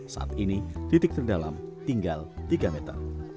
saat ini titik terdalam tinggal tiga meter